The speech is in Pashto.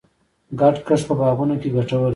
ګډ کښت په باغونو کې ګټور دی.